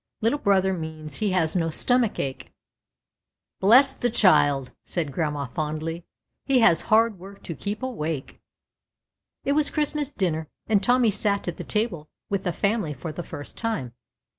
Little brother means he has no stomach ache." Bless the child!" said grandma, fondly, he has hard work to keep awake." It was Christmas dinner, and Tommy sat at the table with the family for the first time.